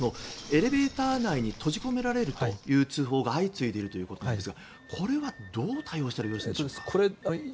エレベーター内に閉じ込められるという通報が相次いでいるということですがこれは、どう対応したら良いでしょうか？